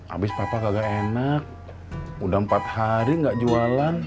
abis papa gagal enak udah empat hari gak jualan